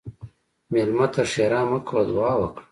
مېلمه ته ښیرا مه کوه، دعا وکړه.